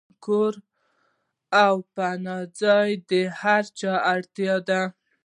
کور او پناه ځای د هر چا اړتیا ده.